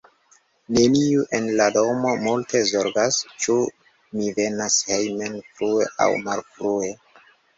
Neniu en la domo multe zorgas, ĉu mi venas hejmen frue aŭ malfrue.